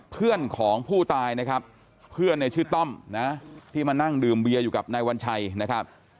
เพื่อนในชื่อต้อมนะที่มานั่งดื่มเบียร์อยู่กับนายวันชัยนะครับ